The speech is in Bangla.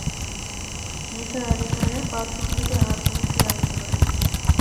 নিসার আলি সাহেব, বাথরুম থেকে হাত-মুখ ধুয়ে আসতে পারেন।